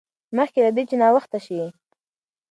مخکې له دې چې ناوخته شي.